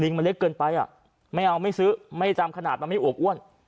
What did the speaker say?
มันเล็กเกินไปอ่ะไม่เอาไม่ซื้อไม่จำขนาดมันไม่อวบอ้วน